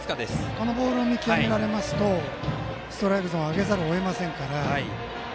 このボールを見極められるとストライクゾーンを上げざるを得ないので。